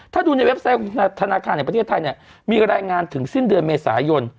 ถ้าดูในเว็บไซต์ของธนาคารแห่งประเทศไทยเนี่ยมีรายงานถึงสิ้นเดือนเมษายน